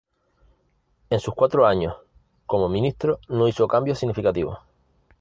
En sus cuatro años como ministro, no hizo cambios significativos.